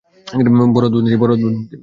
বড় অদ্ভুত নীতি।